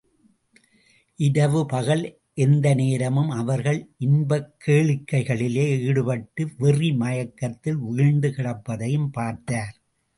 இரவு பகல் எந்த நேரமும் அவர்கள் இன்பக் கேளிக்கைகளிலே ஈடுபட்டு வெறி மயக்கத்தில் வீழ்ந்துகிடப்பதையும் பார்த்தார்.